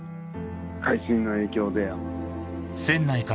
海水の影響で。